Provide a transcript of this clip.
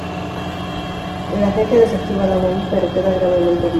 El agente desactiva la bomba pero queda gravemente herido.